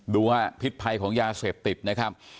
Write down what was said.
ดูฮะพิษภัยของยาเสพติดนะครับ